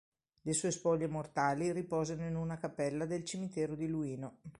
Le sue spoglie mortali riposano in una cappella del cimitero di Luino.